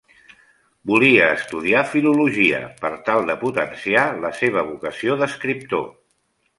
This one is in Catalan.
Volia estudiar filologia, per tal de potenciar la seva vocació d'escriptor.